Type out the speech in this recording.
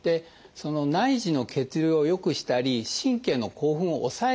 内耳の血流を良くしたり神経の興奮を抑えている。